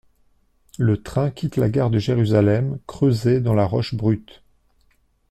Le train quitte la gare de Jérusalem, creusée dans la roche brute.